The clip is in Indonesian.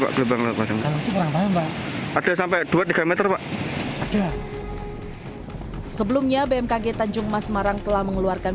pak gelombang ada sampai dua puluh tiga meter pak sebelumnya bmkg tanjung masmarang telah mengeluarkan